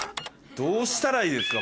どうしたらいいですか？